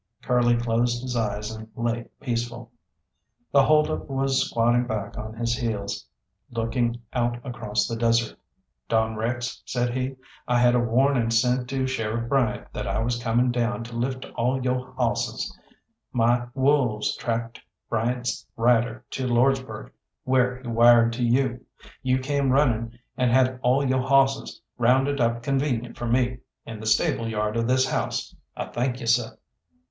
Curly closed his eyes and lay peaceful. The hold up was squatting back on his heels, looking out across the desert. "Don Rex," said he, "I had a warning sent to Sheriff Bryant that I was coming down to lift all yo' hawsses. My wolves tracked Bryant's rider to Lordsburgh, where he wired to you. You came running, and had all yo' hawsses rounded up convenient for me, in the stable yard of this house. I thank you, seh."